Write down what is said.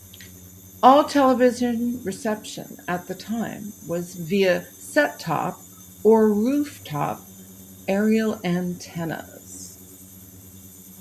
All television reception at the time was via set-top or rooftop aerial antennas.